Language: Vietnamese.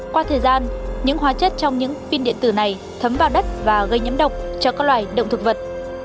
qua thời gian những hóa chất trong những pin điện tử này thấm vào đất và gây nhẫm độc cho các loài động thực vật